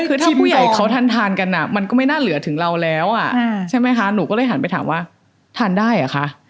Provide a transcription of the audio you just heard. คือที่ผู้ใหญ่เขาทานกันมันก็ไม่น่าเหลือถึงเราแล้วอ่ะใช่ไหมคะหนูก็เลยหันไปถามว่าทานได้เหรอคะ